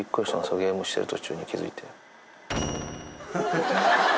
ゲームしてる途中に気付いて。